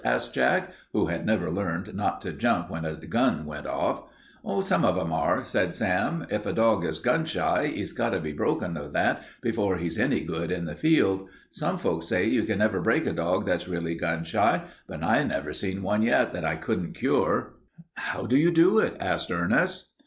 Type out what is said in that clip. asked Jack, who had never learned not to jump when a gun went off. "Some of 'em are," said Sam. "If a dog is gun shy he's got to be broken of that before he's any good in the field. Some folks say you can never break a dog that's really gun shy, but I never seen one yet that I couldn't cure." "How do you do it?" asked Ernest.